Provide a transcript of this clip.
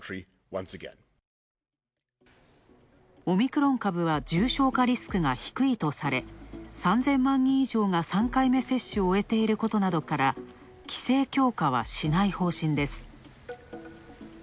オミクロン株は重症化リスクが低いとされ、３０００万人以上が３回目接種を終えていることなどから規制強化はしない方針です。